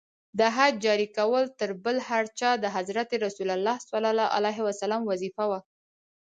د حد جاري کول تر بل هر چا د حضرت رسول ص وظیفه وه.